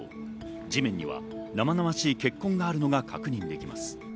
地面には生々しい血痕があるのが確認できます。